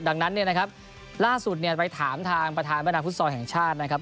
ดังนั้นล่าสุดไปถามทางประธานบรรณฟุตซอร์แห่งชาตินะครับ